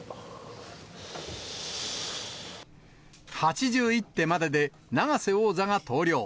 ８１手までで永瀬王座が投了。